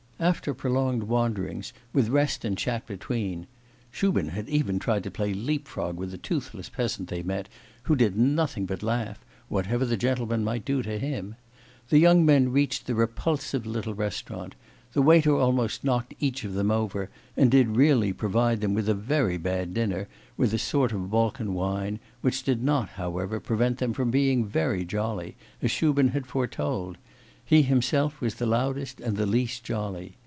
After prolonged wanderings, with rest and chat between (Shubin had even tried to play leap frog with a toothless peasant they met, who did nothing but laugh, whatever the gentlemen might do to him), the young men reached the 'repulsive little' restaurant: the waiter almost knocked each of them over, and did really provide them with a very bad dinner with a sort of Balkan wine, which did not, however, prevent them from being very jolly, as Shubin had foretold; he himself was the loudest and the least jolly.